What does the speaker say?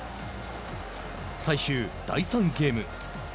最終、第３ゲーム。